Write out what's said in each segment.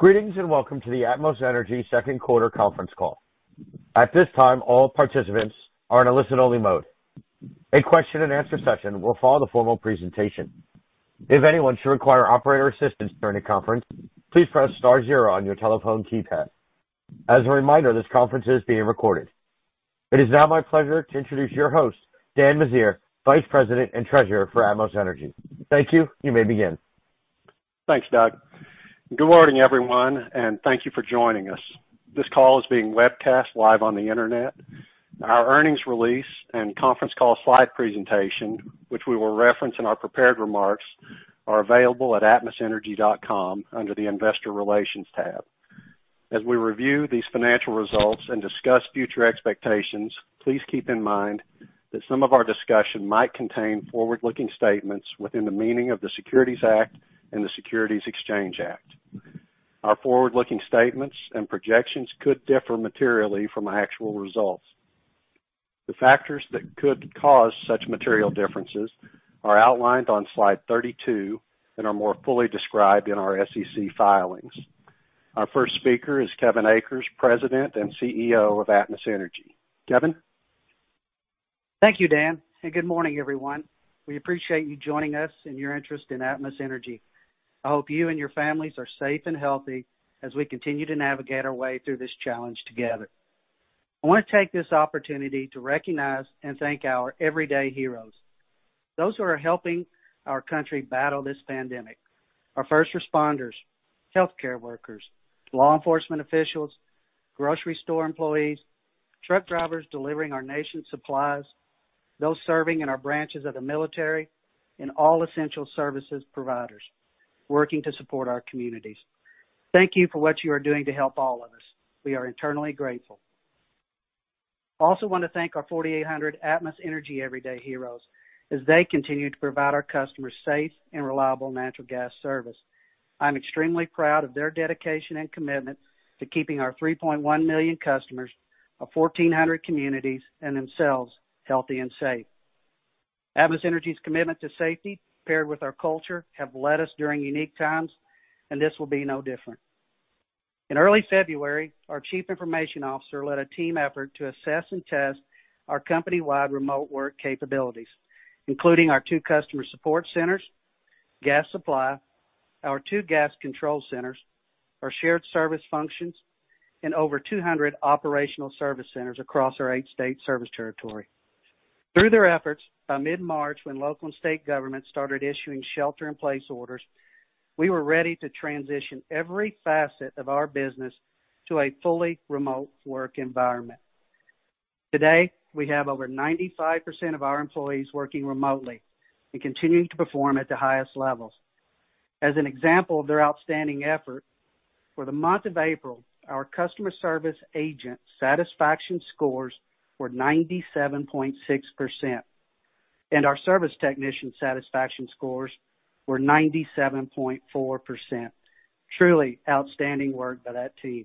Greetings and welcome to the Atmos Energy Second Quarter Conference Call. At this time, all participants are in a listen-only mode. A question-and-answer session will follow the formal presentation. If anyone should require operator assistance during the conference, please press star zero on your telephone keypad. As a reminder, this conference is being recorded. It is now my pleasure to introduce your host, Dan Meziere, Vice President and Treasurer for Atmos Energy. Thank you. You may begin. Thanks, Doug. Good morning, everyone, and thank you for joining us. This call is being webcast live on the Internet. Our earnings release and conference call slide presentation, which we will reference in our prepared remarks, are available at atmosenergy.com under the investor relations tab. As we review these financial results and discuss future expectations, please keep in mind that some of our discussion might contain forward-looking statements within the meaning of the Securities Act and the Securities Exchange Act. Our forward-looking statements and projections could differ materially from actual results. The factors that could cause such material differences are outlined on slide 32 and are more fully described in our SEC filings. Our first speaker is Kevin Akers, President and CEO of Atmos Energy. Kevin? Thank you, Dan, and good morning, everyone. We appreciate you joining us in your interest in Atmos Energy. I hope you and your families are safe and healthy as we continue to navigate our way through this challenge together. I want to take this opportunity to recognize and thank our everyday heroes, those who are helping our country battle this pandemic, our first responders, healthcare workers, law enforcement officials, grocery store employees, truck drivers delivering our nation's supplies, those serving in our branches of the military and all essential services providers working to support our communities. Thank you for what you are doing to help all of us. We are eternally grateful. I also want to thank our 4,800 Atmos Energy everyday heroes as they continue to provide our customers safe and reliable natural gas service. I'm extremely proud of their dedication and commitment to keeping our 3.1 million customers of 1,400 communities and themselves healthy and safe. Atmos Energy's commitment to safety paired with our culture have led us during unique times, and this will be no different. In early February, our chief information officer led a team effort to assess and test our company-wide remote work capabilities, including our two customer support centers, gas supply, our two gas control centers, our shared service functions, and over 200 operational service centers across our eight-state service territory. Through their efforts, by mid-March, when local and state governments started issuing shelter-in-place orders, we were ready to transition every facet of our business to a fully remote work environment. Today, we have over 95% of our employees working remotely and continuing to perform at the highest levels. As an example of their outstanding effort, for the month of April, our customer service agent satisfaction scores were 97.6%, and our service technician satisfaction scores were 97.4%. Truly outstanding work by that team.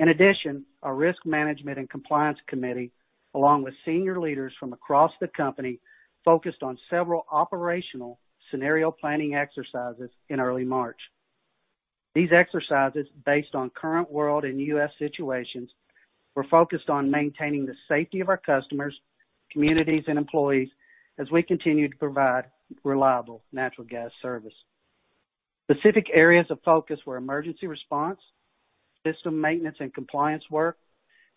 In addition, our risk management and compliance committee, along with senior leaders from across the company, focused on several operational scenario planning exercises in early March. These exercises, based on current world and U.S. situations, were focused on maintaining the safety of our customers, communities, and employees as we continue to provide reliable natural gas service. Specific areas of focus were emergency response, system maintenance, and compliance work,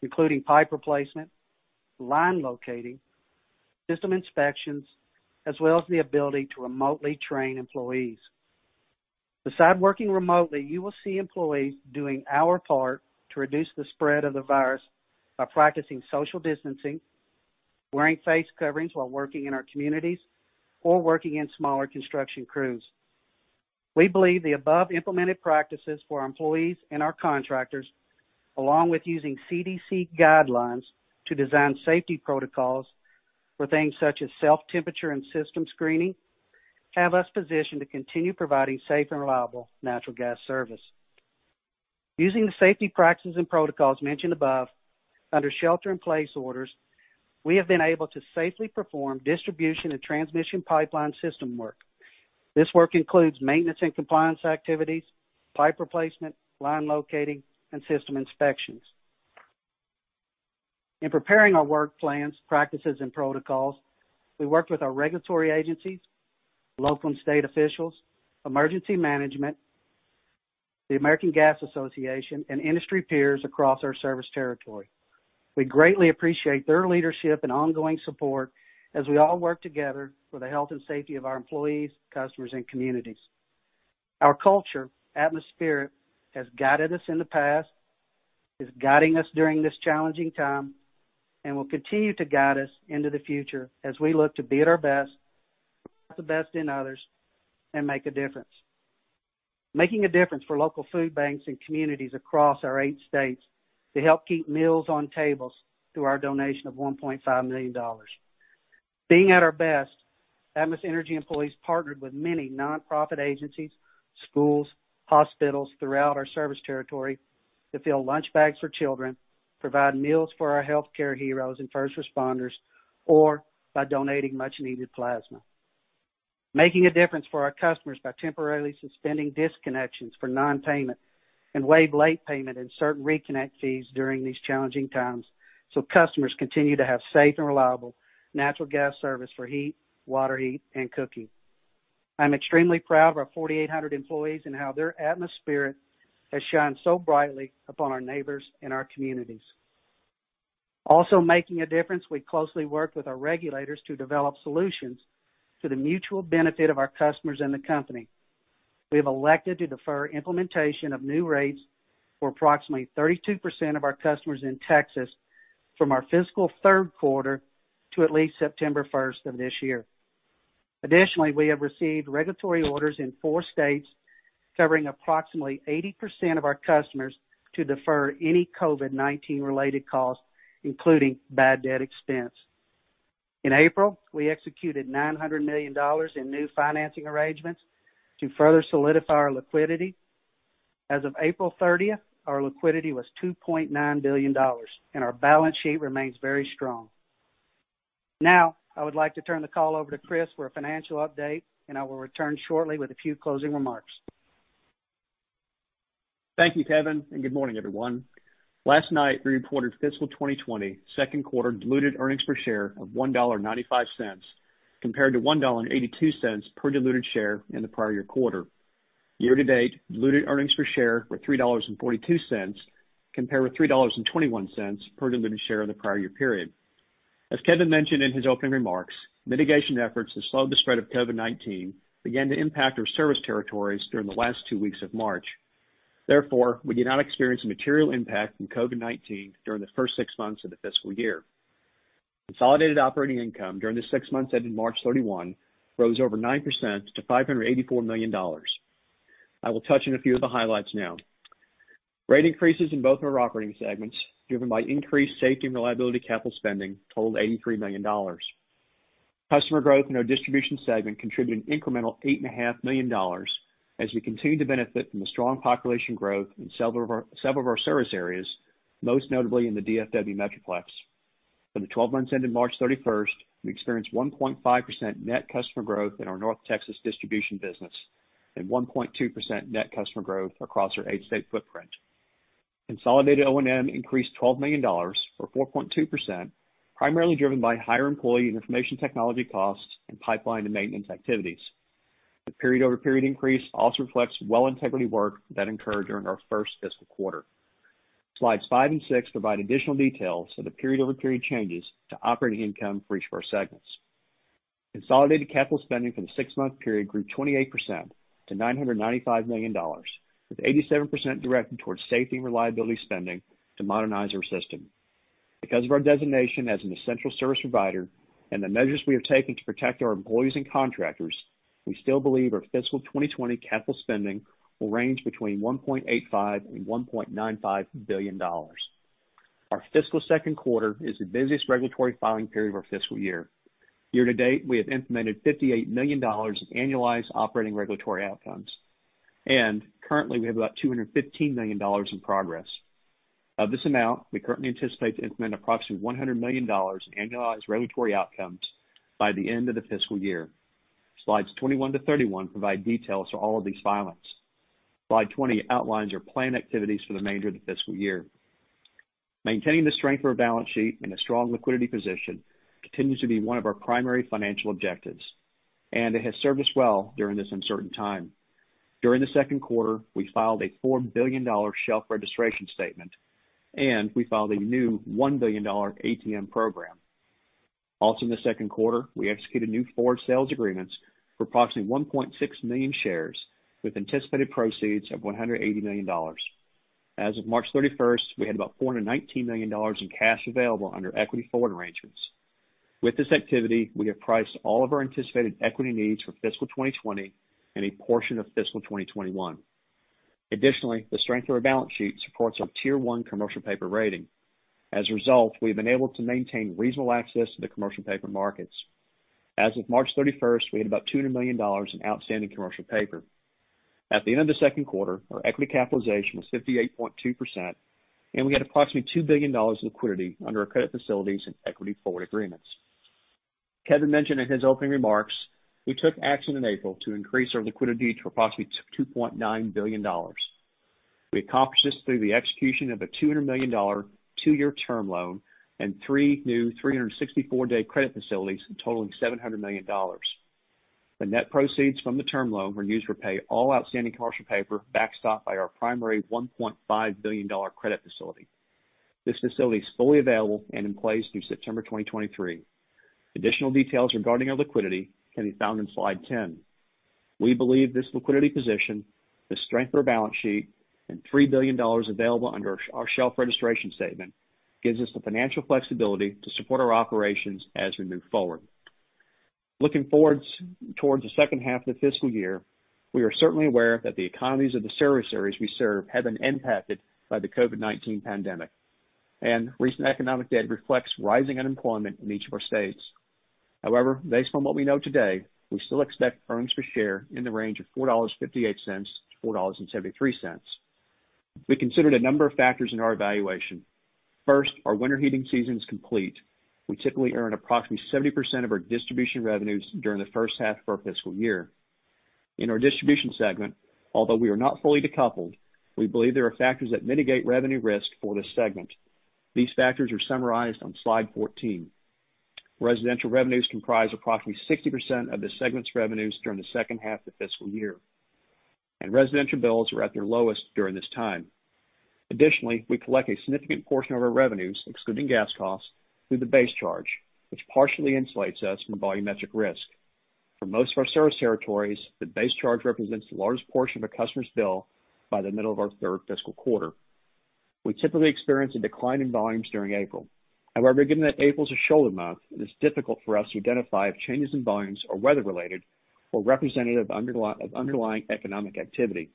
including pipe replacement, line locating, system inspections, as well as the ability to remotely train employees. Besides working remotely, you will see employees doing our part to reduce the spread of the virus by practicing social distancing, wearing face coverings while working in our communities or working in smaller construction crews. We believe the above implemented practices for our employees and our contractors, along with using CDC guidelines to design safety protocols for things such as self-temperature and system screening, have us positioned to continue providing safe and reliable natural gas service. Using the safety practices and protocols mentioned above, under shelter-in-place orders, we have been able to safely perform distribution and transmission pipeline system work. This work includes maintenance and compliance activities, pipe replacement, line locating, and system inspections. In preparing our work plans, practices, and protocols, we worked with our regulatory agencies, local and state officials, emergency management, the American Gas Association, and industry peers across our service territory. We greatly appreciate their leadership and ongoing support as we all work together for the health and safety of our employees, customers, and communities. Our culture, Atmos atmosphere, has guided us in the past, is guiding us during this challenging time, and will continue to guide us into the future as we look to be at our best, bring out the best in others, and make a difference. Making a difference for local food banks and communities across our eight states to help keep meals on tables through our donation of $1.5 million. Being at our best, Atmos Energy employees partnered with many nonprofit agencies, schools, hospitals throughout our service territory to fill lunch bags for children, provide meals for our healthcare heroes and first responders or by donating much needed plasma. Making a difference for our customers by temporarily suspending disconnections for non-payment and waive late payment and certain reconnect fees during these challenging times so customers continue to have safe and reliable natural gas service for heat, water heat, and cooking. I'm extremely proud of our 4,800 employees and how their Atmos atmosphere has shined so brightly upon our neighbors and our communities. Also making a difference, we closely work with our regulators to develop solutions to the mutual benefit of our customers and the company. We have elected to defer implementation of new rates for approximately 32% of our customers in Texas from our fiscal third quarter to at least September 1st of this year. Additionally, we have received regulatory orders in four states covering approximately 80% of our customers to defer any COVID-19 related costs, including bad debt expense. In April, we executed $900 million in new financing arrangements to further solidify our liquidity. As of April 30th, our liquidity was $2.9 billion and our balance sheet remains very strong. I would like to turn the call over to Chris for a financial update, and I will return shortly with a few closing remarks. Thank you, Kevin, and good morning, everyone. Last night, we reported fiscal 2020 second quarter diluted earnings per share of $1.95 compared to $1.82 per diluted share in the prior year quarter. Year-to-date, diluted earnings per share were $3.42 compared with $3.21 per diluted share in the prior year period. As Kevin mentioned in his opening remarks, mitigation efforts to slow the spread of COVID-19 began to impact our service territories during the last two weeks of March. Therefore, we did not experience a material impact from COVID-19 during the first six months of the fiscal year. Consolidated operating income during the six months ending March 31 rose over 9% to $584 million. I will touch on a few of the highlights now. Rate increases in both of our operating segments, driven by increased safety and reliability capital spending totaled $83 million. Customer growth in our distribution segment contributed an incremental $8.5 million as we continue to benefit from the strong population growth in several of our service areas, most notably in the DFW Metroplex. For the 12 months ending March 31st, we experienced 1.5% net customer growth in our North Texas distribution business and 1.2% net customer growth across our eight-state footprint. Consolidated O&M increased $12 million or 4.2%, primarily driven by higher employee and information technology costs and pipeline and maintenance activities. The period-over-period increase also reflects well integrity work that incurred during our first fiscal quarter. Slides five and six provide additional details of the period-over-period changes to operating income for each of our segments. Consolidated capital spending for the six-month period grew 28% to $995 million, with 87% directed towards safety and reliability spending to modernize our system. Because of our designation as an essential service provider and the measures we have taken to protect our employees and contractors, we still believe our fiscal 2020 capital spending will range between $1.85 billion-$1.95 billion. Our fiscal second quarter is the busiest regulatory filing period of our fiscal year. Year-to-date, we have implemented $58 million of annualized operating regulatory outcomes, and currently, we have about $215 million in progress. Of this amount, we currently anticipate to implement approximately $100 million in annualized regulatory outcomes by the end of the fiscal year. Slides 21-31 provide details for all of these filings. Slide 20 outlines our plan activities for the remainder of the fiscal year. Maintaining the strength of our balance sheet and a strong liquidity position continues to be one of our primary financial objectives, and it has served us well during this uncertain time. During the second quarter, we filed a $4 billion shelf registration statement. We filed a new $1 billion ATM program. Also in the second quarter, we executed new forward sales agreements for approximately 1.6 million shares with anticipated proceeds of $180 million. As of March 31st, we had about $419 million in cash available under equity forward arrangements. With this activity, we have priced all of our anticipated equity needs for fiscal 2020 and a portion of fiscal 2021. Additionally, the strength of our balance sheet supports our Tier 1 commercial paper rating. As a result, we've been able to maintain reasonable access to the commercial paper markets. As of March 31st, we had about $200 million in outstanding commercial paper. At the end of the second quarter, our equity capitalization was 58.2%. We had approximately $2 billion in liquidity under our credit facilities and equity forward agreements. Kevin mentioned in his opening remarks, we took action in April to increase our liquidity to approximately $2.9 billion. We accomplished this through the execution of a $200 million two-year term loan and three new 364-day credit facilities totaling $700 million. The net proceeds from the term loan were used to pay all outstanding commercial paper backstopped by our primary $1.5 billion credit facility. This facility is fully available and in place through September 2023. Additional details regarding our liquidity can be found on slide 10. We believe this liquidity position, the strength of our balance sheet, and $3 billion available under our shelf registration statement gives us the financial flexibility to support our operations as we move forward. Looking forward towards the second half of the fiscal year, we are certainly aware that the economies of the service areas we serve have been impacted by the COVID-19 pandemic, and recent economic data reflects rising unemployment in each of our states. However, based on what we know today, we still expect earnings per share in the range of $4.58-$4.73. We considered a number of factors in our evaluation. First, our winter heating season is complete. We typically earn approximately 70% of our distribution revenues during the first half of our fiscal year. In our distribution segment, although we are not fully decoupled, we believe there are factors that mitigate revenue risk for this segment. These factors are summarized on slide 14. Residential revenues comprise approximately 60% of the segment's revenues during the second half of the fiscal year. Residential bills are at their lowest during this time. We collect a significant portion of our revenues, excluding gas costs, through the base charge, which partially insulates us from the volumetric risk. For most of our service territories, the base charge represents the largest portion of a customer's bill by the middle of our third fiscal quarter. We typically experience a decline in volumes during April. Given that April is a shoulder month, it is difficult for us to identify if changes in volumes are weather-related or representative of underlying economic activity.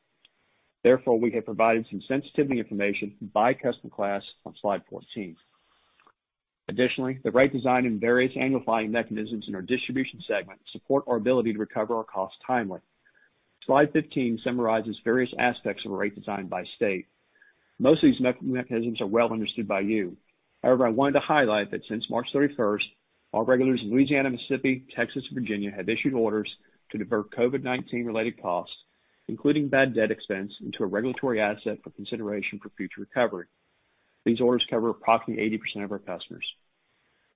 We have provided some sensitivity information by custom class on slide 14. The rate design and various amplifying mechanisms in our distribution segment support our ability to recover our costs timely. Slide 15 summarizes various aspects of a rate design by state. Most of these mechanisms are well understood by you. However, I wanted to highlight that since March 31st, our regulators in Louisiana, Mississippi, Texas, and Virginia have issued orders to divert COVID-19 related costs, including bad debt expense, into a regulatory asset for consideration for future recovery. These orders cover approximately 80% of our customers.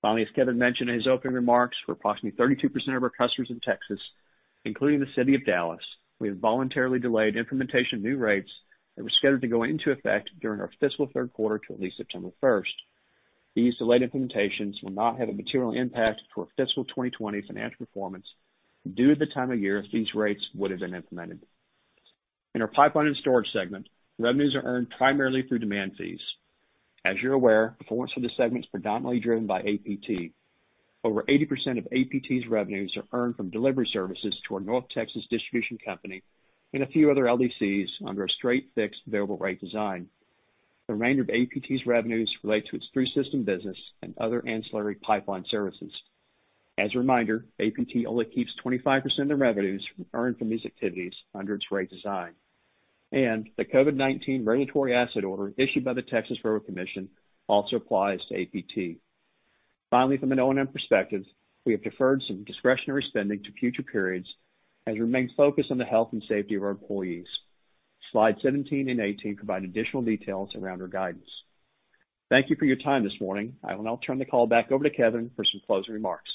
Finally, as Kevin mentioned in his opening remarks, for approximately 32% of our customers in Texas, including the City of Dallas, we have voluntarily delayed implementation of new rates that were scheduled to go into effect during our fiscal third quarter to at least September 1st. These delayed implementations will not have a material impact for our fiscal 2020 financial performance due to the time of year if these rates would've been implemented. In our pipeline and storage segment, revenues are earned primarily through demand fees. As you're aware, performance of this segment is predominantly driven by APT. Over 80% of APT's revenues are earned from delivery services to our North Texas distribution company and a few other LDCs under a straight fixed bill rate design. The remainder of APT's revenues relate to its true system business and other ancillary pipeline services. As a reminder, APT only keeps 25% of the revenues earned from these activities under its rate design. The COVID-19 regulatory asset order issued by the Texas Railroad Commission also applies to APT. Finally, from an O&M perspective, we have deferred some discretionary spending to future periods as we remain focused on the health and safety of our employees. Slide 17 and 18 provide additional details around our guidance. Thank you for your time this morning. I will now turn the call back over to Kevin for some closing remarks.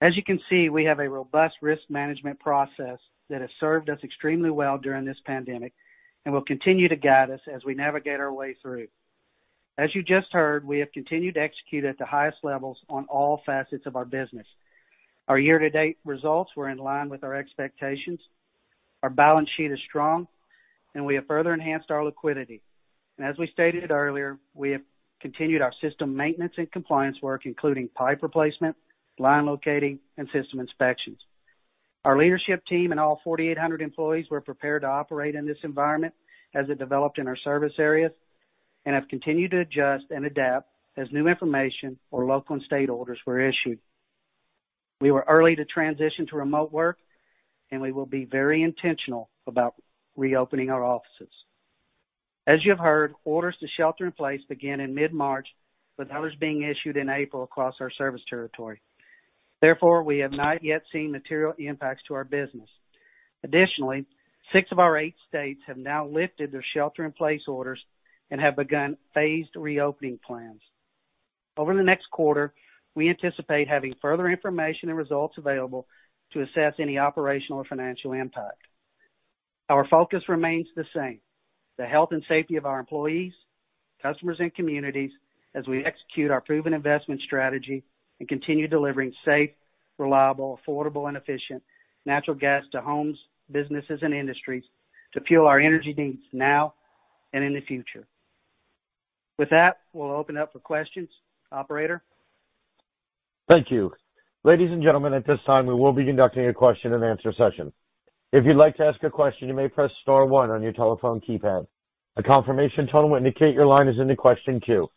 As you can see, we have a robust risk management process that has served us extremely well during this pandemic and will continue to guide us as we navigate our way through. As you just heard, we have continued to execute at the highest levels on all facets of our business. Our year-to-date results were in line with our expectations. Our balance sheet is strong, and we have further enhanced our liquidity. As we stated earlier, we have continued our system maintenance and compliance work, including pipe replacement, line locating, and system inspections. Our leadership team and all 4,800 employees were prepared to operate in this environment as it developed in our service areas and have continued to adjust and adapt as new information or local and state orders were issued. We were early to transition to remote work, and we will be very intentional about reopening our offices. As you have heard, orders to shelter in place began in mid-March, with others being issued in April across our service territory. Therefore, we have not yet seen material impacts to our business. Additionally, six of our eight states have now lifted their shelter in place orders and have begun phased reopening plans. Over the next quarter, we anticipate having further information and results available to assess any operational or financial impact. Our focus remains the same, the health and safety of our employees, customers, and communities as we execute our proven investment strategy and continue delivering safe, reliable, affordable, and efficient natural gas to homes, businesses, and industries to fuel our energy needs now and in the future. With that, we'll open up for questions. Operator? Thank you. Ladies and gentlemen, at this time, we will be conducting a question and answer session. If you'd like to ask a question, you may press star one on your telephone keypad. A confirmation tone will indicate your line is in the question queue.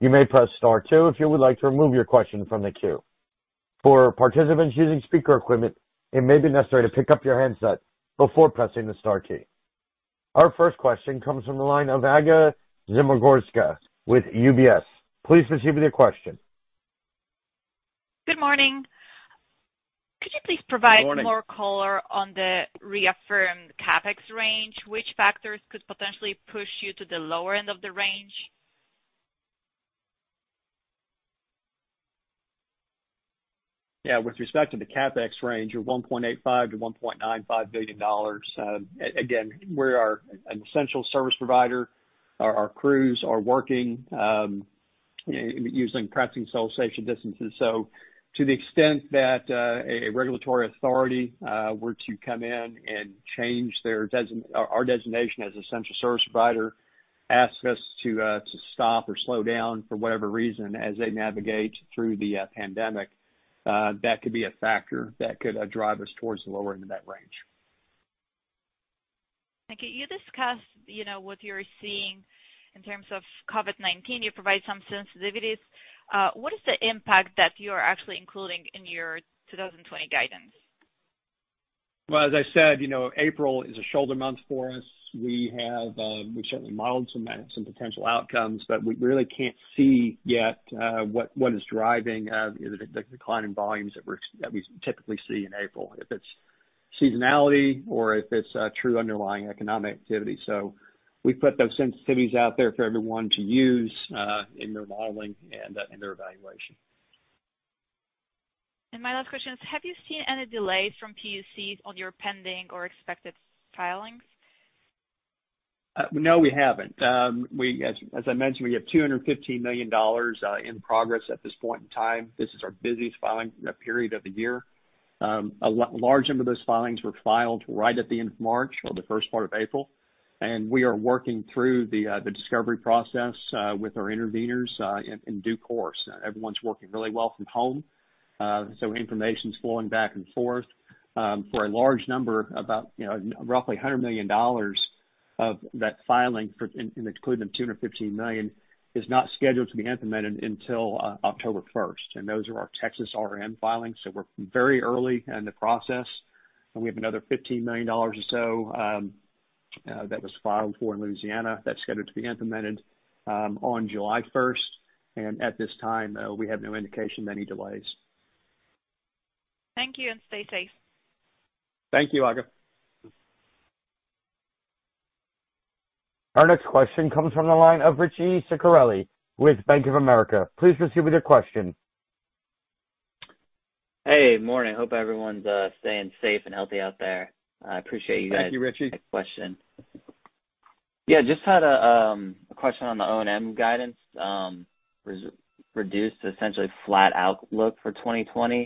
You may press star two if you would like to remove your question from the queue. For participants using speaker equipment, it may be necessary to pick up your handset before pressing the star key. Our first question comes from the line of Aga Zmigrodzka with UBS. Please proceed with your question. Good morning. Good morning. Could you please provide more color on the reaffirmed CapEx range? Which factors could potentially push you to the lower end of the range? Yeah. With respect to the CapEx range of $1.85 billion-$1.95 billion, again, we are an essential service provider. Our crews are working, pressing social safe distances. To the extent that a regulatory authority were to come in and change our designation as essential service provider, ask us to stop or slow down for whatever reason as they navigate through the pandemic, that could be a factor that could drive us towards the lower end of that range. Okay. You discussed what you're seeing in terms of COVID-19. You provide some sensitivities. What is the impact that you are actually including in your 2020 guidance? Well, as I said, April is a shoulder month for us. We certainly modeled some potential outcomes, but we really can't see yet what is driving the decline in volumes that we typically see in April, if it's seasonality or if it's true underlying economic activity. We put those sensitivities out there for everyone to use in their modeling and their evaluation. My last question is, have you seen any delays from PUCs on your pending or expected filings? No, we haven't. As I mentioned, we have $215 million in progress at this point in time. This is our busiest filing period of the year. A large number of those filings were filed right at the end of March or the first part of April, and we are working through the discovery process with our interveners in due course. Everyone's working really well from home. Information's flowing back and forth. For a large number, about roughly $100 million of that filing, and including the $215 million, is not scheduled to be implemented until October 1st, and those are our Texas RRM filings. We're very early in the process, and we have another $15 million or so that was filed for in Louisiana that's scheduled to be implemented on July 1st. At this time, we have no indication of any delays. Thank you, and stay safe. Thank you, Aga. Our next question comes from the line of Richie Ciciarelli with Bank of America. Please proceed with your question. Hey, morning. Hope everyone's staying safe and healthy out there. I appreciate you guys- Thank you, Richie. Taking my question. Yeah, just had a question on the O&M guidance. Reduced essentially flat outlook for 2020.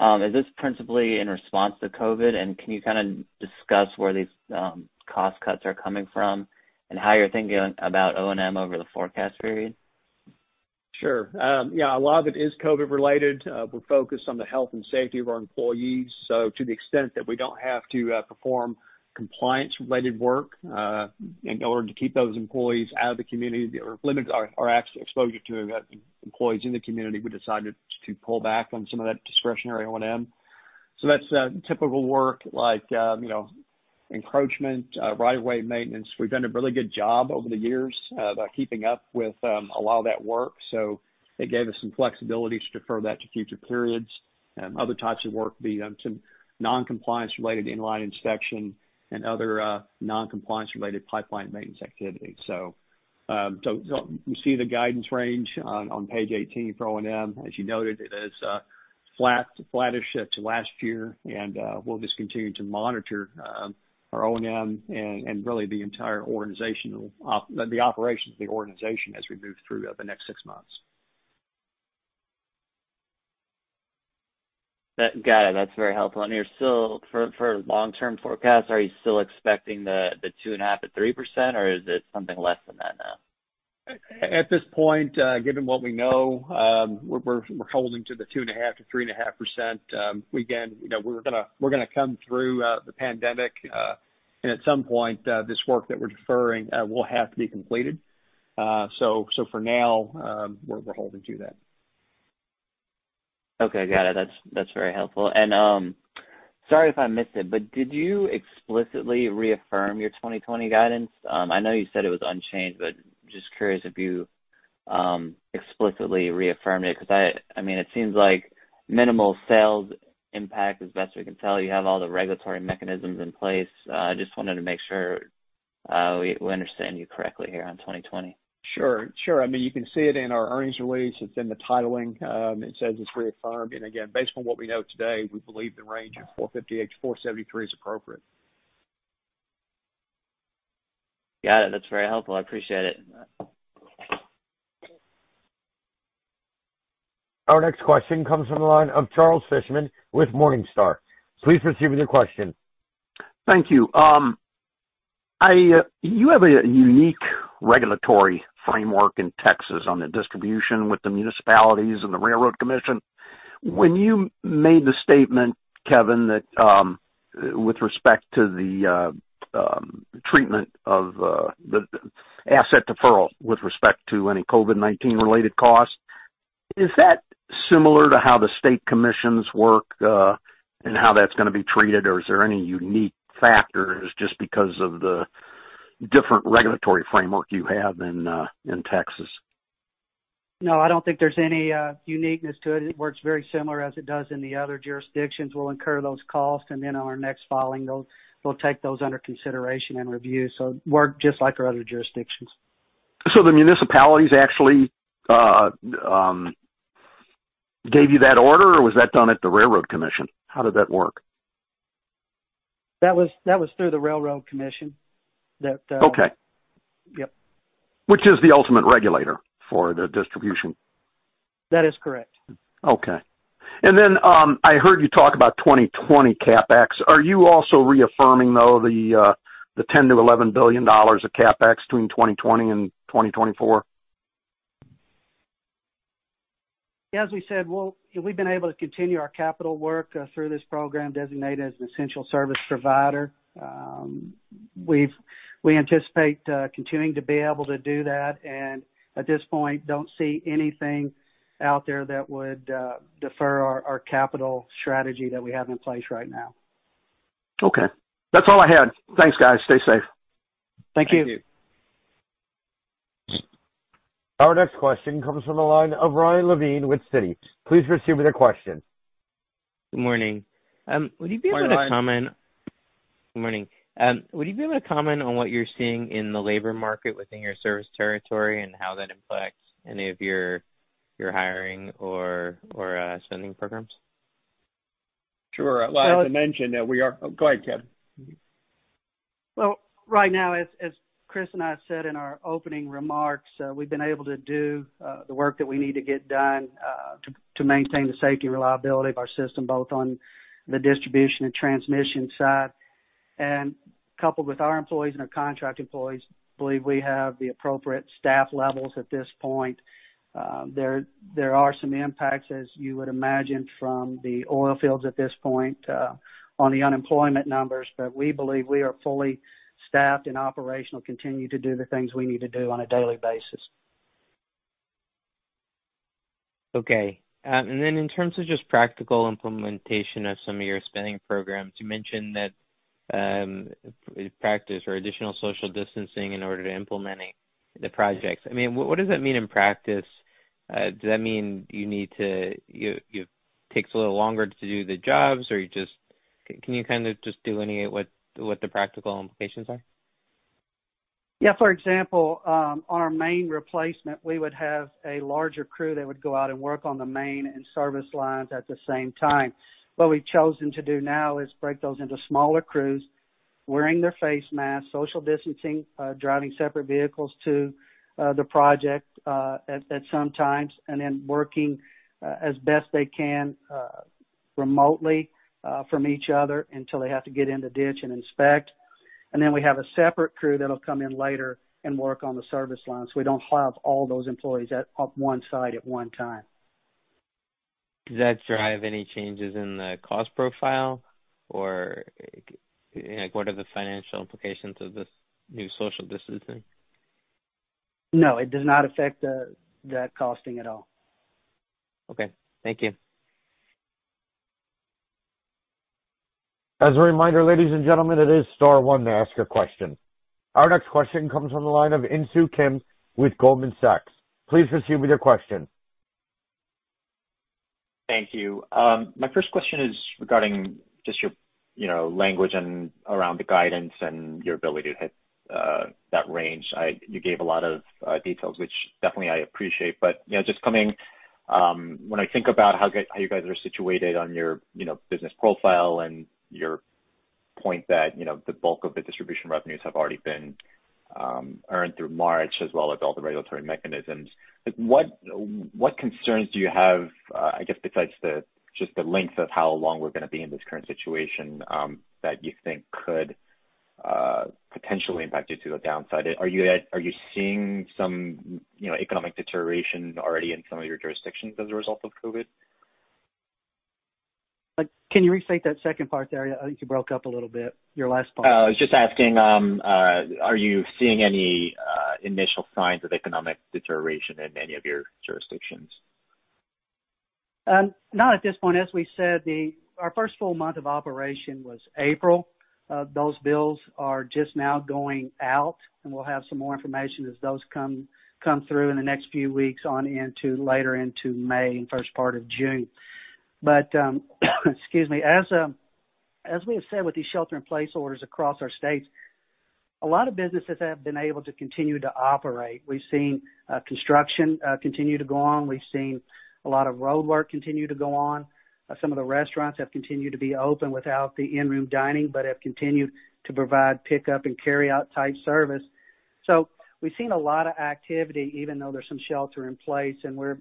Is this principally in response to COVID-19? Can you kind of discuss where these cost cuts are coming from and how you're thinking about O&M over the forecast period? Sure. Yeah, a lot of it is COVID related. We're focused on the health and safety of our employees. To the extent that we don't have to perform compliance-related work in order to keep those employees out of the community or limit our exposure to employees in the community, we decided to pull back on some of that discretionary O&M. That's typical work like encroachment, right of way maintenance. We've done a really good job over the years about keeping up with a lot of that work. It gave us some flexibility to defer that to future periods. Other types of work would be some non-compliance related inline inspection and other non-compliance related pipeline maintenance activities. You see the guidance range on page 18 for O&M, as you noted, it is flattish to last year. We'll just continue to monitor our O&M and really the operations of the organization as we move through the next six months. Got it. That's very helpful. For long-term forecast, are you still expecting the 2.5%-3%, or is it something less than that now? At this point, given what we know, we're holding to the 2.5%-3.5%. Again, we're going to come through the pandemic, and at some point, this work that we're deferring will have to be completed. For now, we're holding to that. Okay, got it. That's very helpful. Sorry if I missed it, but did you explicitly reaffirm your 2020 guidance? I know you said it was unchanged, but just curious if you explicitly reaffirmed it, because it seems like minimal sales impact as best we can tell. You have all the regulatory mechanisms in place. Just wanted to make sure we understand you correctly here on 2020. Sure. You can see it in our earnings release. It's in the titling. It says it's reaffirmed. Again, based on what we know today, we believe the range of $4.58-$4.73 is appropriate. Got it. That's very helpful. I appreciate it. Our next question comes from the line of Charles Fishman with Morningstar. Please proceed with your question. Thank you. You have a unique regulatory framework in Texas on the distribution with the municipalities and the Railroad Commission. When you made the statement, Kevin, with respect to the treatment of the asset deferral with respect to any COVID-19 related costs, is that similar to how the state commissions work and how that's going to be treated? Is there any unique factors just because of the different regulatory framework you have in Texas? I don't think there's any uniqueness to it. It works very similar as it does in the other jurisdictions. We'll incur those costs. On our next filing, we'll take those under consideration and review. It'll work just like our other jurisdictions. The municipalities actually gave you that order, or was that done at the Railroad Commission? How did that work? That was through the Railroad Commission. Okay. Yep. Which is the ultimate regulator for the distribution? That is correct. Okay. I heard you talk about 2020 CapEx. Are you also reaffirming, though, the $10 billion-$11 billion of CapEx between 2020 and 2024? As we said, we've been able to continue our capital work through this program designated as an essential service provider. We anticipate continuing to be able to do that, and at this point, don't see anything out there that would defer our capital strategy that we have in place right now. Okay. That's all I had. Thanks, guys. Stay safe. Thank you. Thank you. Our next question comes from the line of Ryan Levine with Citi. Please proceed with your question. Good morning. Morning, Ryan. Good morning. Would you be able to comment on what you're seeing in the labor market within your service territory and how that impacts any of your hiring or spending programs? Sure. Well, I'd like to mention that. Go ahead, Kevin. Well, right now, as Chris and I said in our opening remarks, we've been able to do the work that we need to get done to maintain the safety and reliability of our system, both on the distribution and transmission side. Coupled with our employees and our contract employees, believe we have the appropriate staff levels at this point. There are some impacts, as you would imagine, from the oil fields at this point on the unemployment numbers. We believe we are fully staffed and operational, continue to do the things we need to do on a daily basis. Okay. In terms of just practical implementation of some of your spending programs, you mentioned that practice or additional social distancing in order to implementing the projects. What does that mean in practice? Does that mean it takes a little longer to do the jobs, or can you just delineate what the practical implications are? Yeah. For example, our main replacement, we would have a larger crew that would go out and work on the main and service lines at the same time. What we've chosen to do now is break those into smaller crews, wearing their face masks, social distancing, driving separate vehicles to the project at some times, then working as best they can remotely from each other until they have to get in the ditch and inspect. Then we have a separate crew that'll come in later and work on the service line, so we don't have all those employees at one site at one time. Does that drive any changes in the cost profile, or what are the financial implications of this new social distancing? No, it does not affect the costing at all. Okay. Thank you. As a reminder, ladies and gentlemen, it is star one to ask a question. Our next question comes from the line of Insoo Kim with Goldman Sachs. Please proceed with your question. Thank you. My first question is regarding just your language and around the guidance and your ability to hit that range. You gave a lot of details, which definitely I appreciate, but when I think about how you guys are situated on your business profile and your point that the bulk of the distribution revenues have already been earned through March, as well as all the regulatory mechanisms, what concerns do you have, I guess besides just the length of how long we're going to be in this current situation, that you think could potentially impact you to the downside? Are you seeing some economic deterioration already in some of your jurisdictions as a result of COVID? Can you restate that second part there? I think you broke up a little bit, your last point. I was just asking, are you seeing any initial signs of economic deterioration in any of your jurisdictions? Not at this point. As we said, our first full month of operation was April. Those bills are just now going out, and we'll have some more information as those come through in the next few weeks on into later into May and first part of June. Excuse me. As we have said with these shelter-in-place orders across our states, a lot of businesses have been able to continue to operate. We've seen construction continue to go on. We've seen a lot of roadwork continue to go on. Some of the restaurants have continued to be open without the in-room dining, but have continued to provide pickup and carryout-type service. We've seen a lot of activity, even though there's some shelter in place, and we're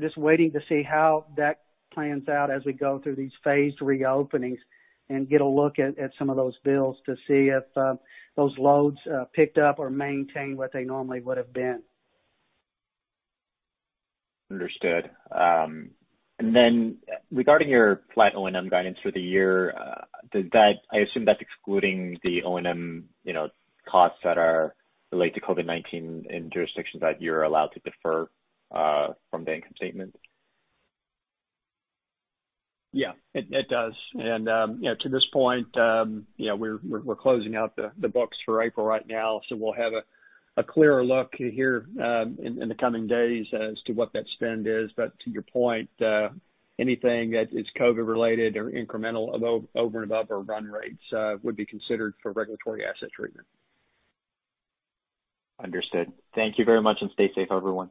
just waiting to see how that plans out as we go through these phased reopenings and get a look at some of those bills to see if those loads picked up or maintained what they normally would've been. Understood. Regarding your flat O&M guidance for the year, I assume that's excluding the O&M costs that are related to COVID-19 in jurisdictions that you're allowed to defer from the income statement. Yeah, it does. To this point, we're closing out the books for April right now, so we'll have a clearer look here in the coming days as to what that spend is. To your point, anything that is COVID-related or incremental over and above our run rates would be considered for regulatory asset treatment. Understood. Thank you very much and stay safe, everyone.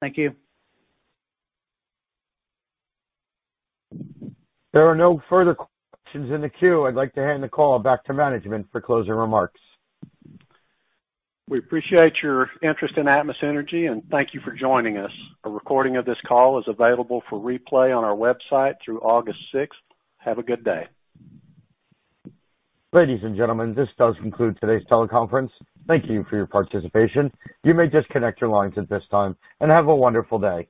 Thank you. There are no further questions in the queue. I'd like to hand the call back to management for closing remarks. We appreciate your interest in Atmos Energy and thank you for joining us. A recording of this call is available for replay on our website through August 6th. Have a good day. Ladies and gentlemen, this does conclude today's teleconference. Thank you for your participation. You may disconnect your lines at this time and have a wonderful day.